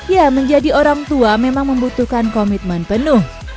ya menjadi orang tua memang membutuhkan komitmen penuh